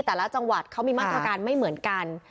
แต่ละจังหวัดเขามีมาตรการไม่เหมือนกัน